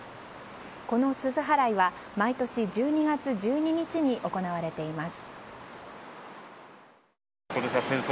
この、すす払いは毎年１２月１２日に行われています。